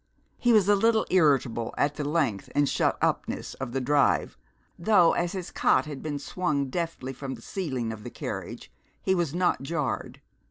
He was a little irritable at the length and shutupness of the drive, though, as his cot had been swung deftly from the ceiling of the carriage, he was not jarred.